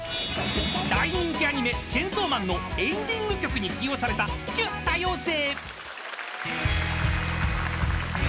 ［大人気アニメ『チェンソーマン』のエンディング曲に起用された『ちゅ、多様性。』］